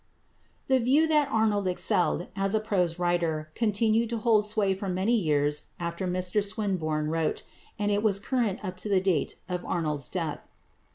The view that Arnold excelled as a prose writer continued to hold sway for many years after Mr Swinburne wrote, and it was current up to the date of Arnold's death.